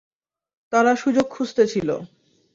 তারা সুযোগ খুঁজতে ছিল।